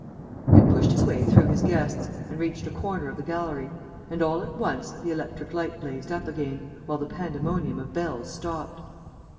He had pushed his way through his guests and reached a corner of the gallery; and, all at once, the electric light blazed up again, while the pandemonium of bells stopped.